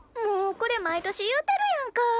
もうこれ毎年言うてるやんか。